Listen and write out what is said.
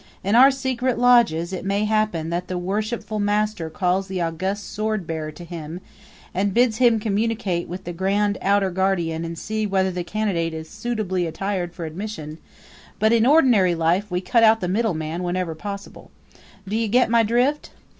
In our secret lodges it may happen that the worshipful master calls the august swordbearer to him and bids him communicate with the grand outer guardian and see whether the candidate is suitably attired for admission; but in ordinary life we cut out the middleman wherever possible. Do you get my drift?"